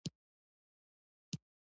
د سهار رڼا هم د دوی په زړونو کې ځلېده.